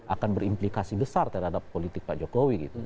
akan berimplikasi besar terhadap politik pak jokowi gitu